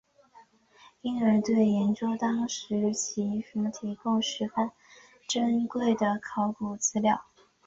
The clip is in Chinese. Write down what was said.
因而对研究当时骑兵服饰和装备提供了十分珍贵的考古资料。